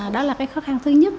đó là cái khó khăn thứ nhất